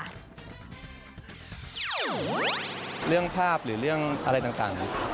เรื่องภาพหรือเรื่องอะไรต่าง